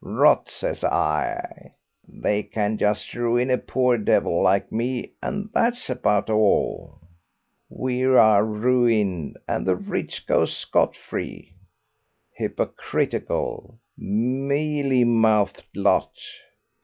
Rot, says I! They can just ruin a poor devil like me, and that's about all. We are ruined, and the rich goes scot free. Hypocritical, mealy mouthed lot.